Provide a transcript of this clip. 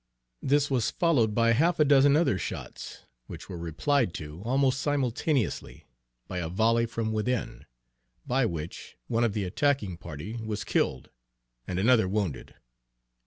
This was followed by half a dozen other shots, which were replied to, almost simultaneously, by a volley from within, by which one of the attacking party was killed and another wounded.